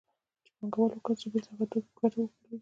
چې پانګوال وکولای شي بېرته هغه توکي په ګټه وپلوري